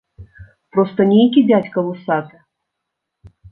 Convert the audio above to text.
Проста нейкі дзядзька вусаты.